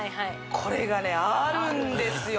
これがねあるんですよ